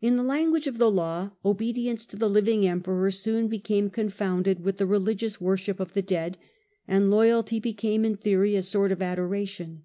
In the language of the law obedience to the living Emperor soon became confounded with the religious worship of the dead, and loyalty l>ecame in theory a sort of adoration.